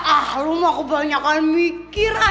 ah lo mah kebanyakan mikir ah